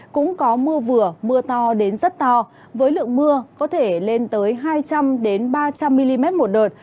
cũng có mưa vừa mưa to đến rất to với lượng mưa có thể lên tới hai trăm linh ba trăm linh mm một đợt